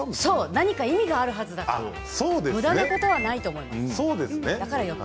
何か意味があるんだからむだなことはないと思う。